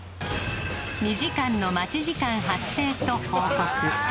２時間の待ち時間発生と報告